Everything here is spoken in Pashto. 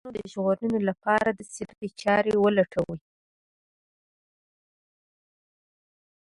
د انسانانو د ژغورنې لپاره داسې لارې چارې ولټوي